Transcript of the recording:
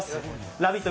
ラヴィット！